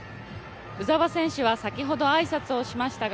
鵜澤選手は先ほど挨拶をしましたが